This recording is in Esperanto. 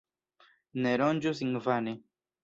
Ne ronĝu sin vane.